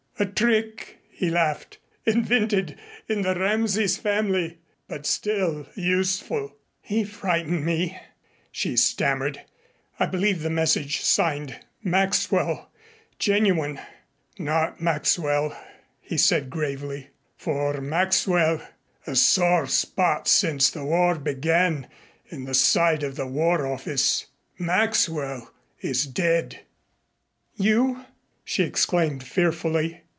"A trick," he laughed, "invented in the Rameses family but still useful." "He frightened me," she stammered. "I believed the message signed 'Maxwell' genuine." "Not Maxwell," he said gravely, "for Maxwell a sore spot since the war began in the side of the War Office Maxwell is dead." "You ?" she exclaimed fearfully.